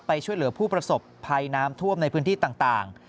ช่วยเหลือผู้ประสบภัยน้ำท่วมในพื้นที่ต่าง